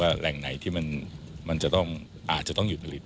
ว่าแหล่งไหนที่มันอาจจะต้องหยุดผลิต